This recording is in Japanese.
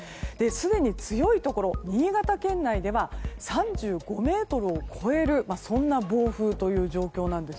すでに強いところ、新潟県内では３５メートルを超えるそんな暴風という状況なんです。